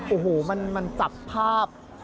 โอ้โหมันจับภาพ